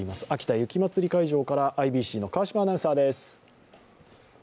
雪まつり会場からＩＢＣの川島アナウンサーです。